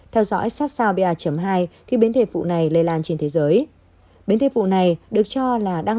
theo dõi sát sao ba hai thì biến thể vụ này lây lan trên thế giới biến thể vụ này được cho là đang